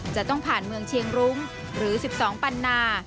จะต้องผ่านเมืองเชียงรุ้งหรือ๑๒ปันนา